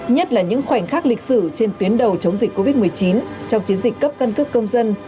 nhất là những khoảnh khắc lịch sử trên tuyến đầu chống dịch covid một mươi chín trong chiến dịch cấp căn cước công dân